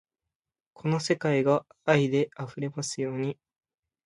この世界が愛で溢れますように